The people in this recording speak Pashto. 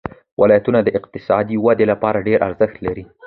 ولایتونه د اقتصادي ودې لپاره ډېر ارزښت لري.